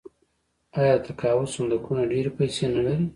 آیا د تقاعد صندوقونه ډیرې پیسې نلري؟